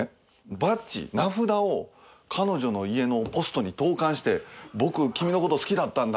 バッジ名札を彼女の家のポストに投函して僕君のこと好きだったんだ。